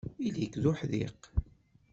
Ili-k d uḥdiq.